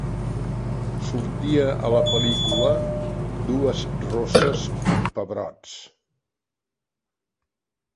Sortia a la pel·lícula "Dues rosses amb pebrots".